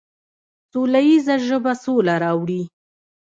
سوله ییزه ژبه سوله راوړي.